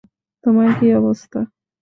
তোমার কি অবস্থা?